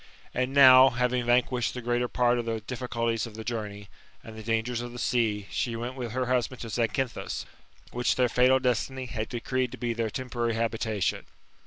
And now, having vanqushed the GOLDElt ASS, or APULEIUS. — BOOK VI. 109 pkrt of the difficulties of the journey, and the dangers of the sei^ she wetit with her husband to 2^cynthus, which their fatal destiny had decreed to be their temporary habitation.